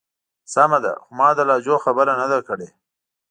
سمه ده. خو ما د لهجو خبره نه ده کړی.